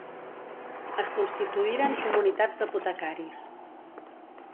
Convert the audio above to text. Es constituïren comunitats d'apotecaris.